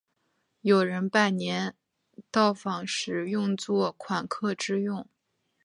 有人拜年到访时用作款客之用。